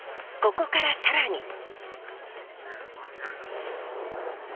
ここからさらに。